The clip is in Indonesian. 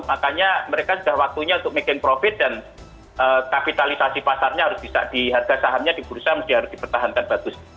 makanya mereka sudah waktunya untuk making profit dan kapitalisasi pasarnya harus bisa di harga sahamnya di bursa mesti harus dipertahankan bagus